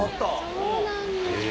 「そうなんだ」